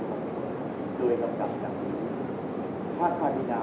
สวัสดีครับสวัสดีครับสวัสดีครับสวัสดีครับ